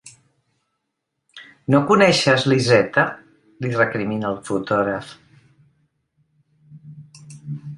No coneixes l'Izeta? —li recrimina el fotògraf.